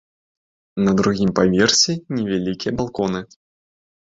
На другім паверсе невялікія балконы.